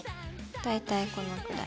大体このくらい。